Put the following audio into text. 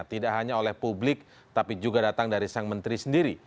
tidak hanya oleh publik tapi juga datang dari sang menteri sendiri